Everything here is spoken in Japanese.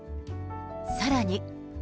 さらに。